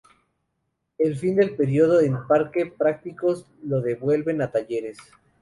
El fin del período en Parque Patricios lo devuelve a Talleres.